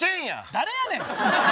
誰やねん！